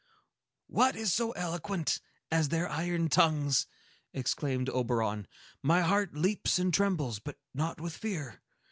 "What is so eloquent as their iron tongues!" exclaimed Oberon. "My heart leaps and trembles, but not with fear.